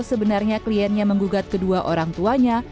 sebenarnya kliennya menggugat kedua orang tuanya